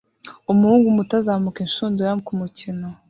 Umuhungu muto azamuka inshundura kumikino